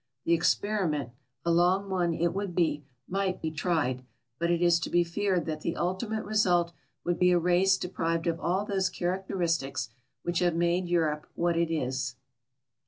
The ex periment— a long one it would be — might be tried ; but it is to be feared that the ultimate result would be a race deprived of all those characteristics which have made Europe what it is.